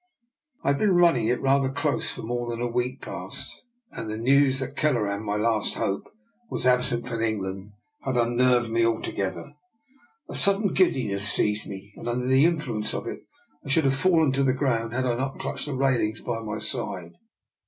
" I had been running it rather close for more than a week past, and the news that Kelleran, my last hope, was absent from Eng land had unnerved me altogether. A sudden giddiness seized me, and under the influence of it I should have fallen to the ground had I not clutched at the railings by my side.